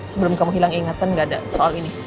sebelum kamu hilang ingatan gak ada soal ini